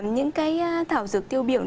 những cái thảo dược tiêu biểu